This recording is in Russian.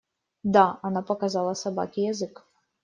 Да! – Она показала собаке язык.